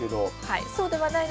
はい。